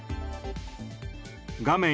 画面